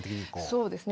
そうですね。